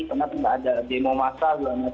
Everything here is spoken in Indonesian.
karena tidak ada demo masa